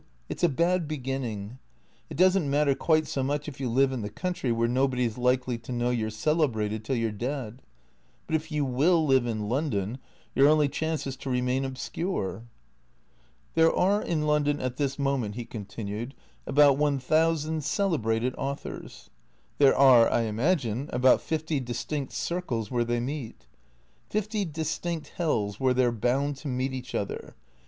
It 's a bad beginning. It does n't matter quite so much if you live in the country where nobody's likely to know you 're celebrated till you 're dead. But if you will live in London, your only chance is to remain obscure." " There are in London at this moment," he continued, " about one thousand celebrated authors. There are, I imagine, about fifty distinct circles where they meet. Fifty distinct hells where they 're bound to meet each other.